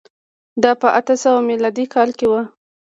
دا په اته سوه میلادي کال کي و.